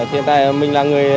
hiện tại mình là người